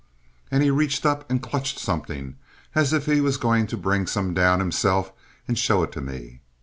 And he reached up and clutched something, as if he was going to bring some down himself and show it to me.